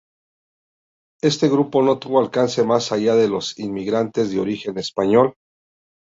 Este grupo no tuvo alcance más allá de los inmigrantes de origen español.